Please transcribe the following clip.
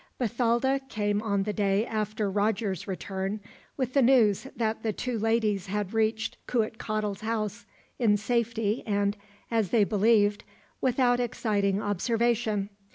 Bathalda came on the day after Roger's return, with the news that the two ladies had reached Cuitcatl's house in safety and, as they believed, without exciting observation.